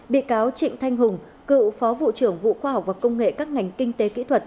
bị cáo trịnh thanh hùng cựu phó vụ trưởng vụ khoa học và công nghệ các ngành kinh tế kỹ thuật